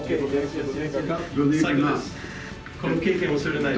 この経験忘れないで。